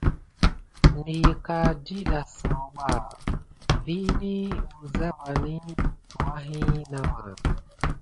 Nəyəka ɗiɗa zaouɓa vi wulza vane tuwaki nawà.